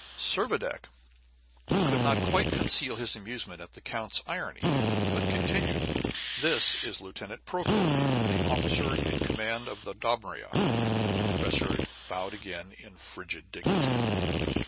Servadac could not quite conceal his amusement at the count's irony, but continued, "This is Lieutenant Procope, the officer in command of the Dobryna." The professor bowed again in frigid dignity.